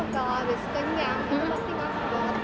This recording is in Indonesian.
kalau habis kenyang aku pasti ngantuk banget